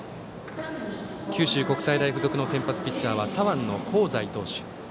九州国際大付属の先発ピッチャーは左腕の香西投手。